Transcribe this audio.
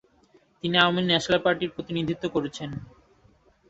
তিনি আওয়ামী ন্যাশনাল পার্টির প্রতিনিধিত্ব করছেন।